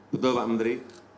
betul pak menteri